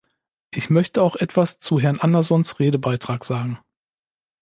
Ich möchte auch etwas zu Herrn Anderssons Redebeitrag sagen.